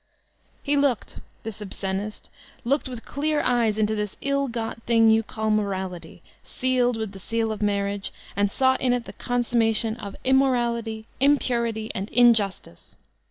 '* He looked, this obscenist, looked with dear eyes into this ill got thing you call morality, sealed with the seal of marriage, and saw in it the consummation of mi morality, inq>urity, and mjustice.